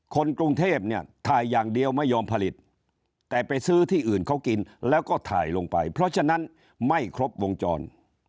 คนกรุงเทพเนี่ยถ่ายอย่างเดียวไม่ยอมผลิตแต่ไปซื้อที่อื่นเขากินแล้วก็ถ่ายลงไปเพราะฉะนั้นไม่ครบวงจร